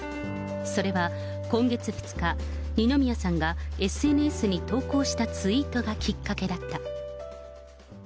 それは、今月２日、二宮さんがＳＮＳに投稿したツイートがきっかけだった。